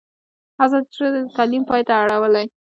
ازادي راډیو د تعلیم ته پام اړولی.